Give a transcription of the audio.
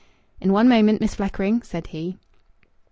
"In one moment, Miss Fleckring," said he.